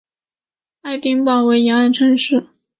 爱丁堡为沿岸城市。